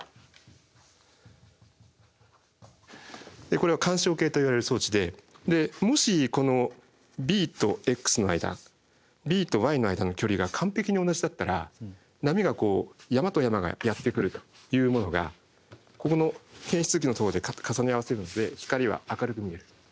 これは「干渉計」といわれる装置でもしこのＢとｘの間Ｂとｙの間の距離が完璧に同じだったら波がこう山と山がやって来るというものがここの検出器のとこで重ね合わせるので光は明るく見える。